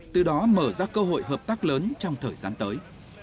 từ đó mở ra cơ hội hợp tác lớn trong thời gian tới